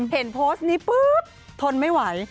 เห็นโพสต์นี้ปุ๊บทนไม่ไหว